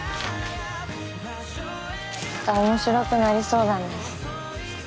また面白くなりそうだね。